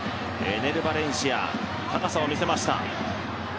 エネル・バレンシア、高さを見せました。